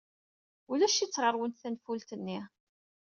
Ulac-itt ɣer-went tenfult-nni.